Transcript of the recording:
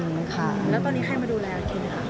แล้วตอนนี้ใครมาดูแลกินไหมคะ